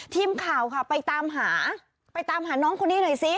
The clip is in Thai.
ทีมข่าวค่ะไปตามหาน้องคนนี้หน่อยสิ